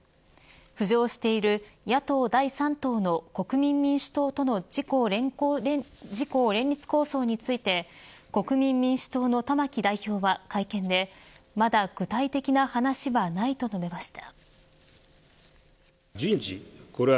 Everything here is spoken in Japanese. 浮上している野党第三党の国民民主党との自公連立構想について国民民主党の玉木代表は会見でまだ具体的な話はないと述べました。